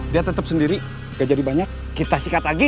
dia tetap sendiri gak jadi banyak kita sikat lagi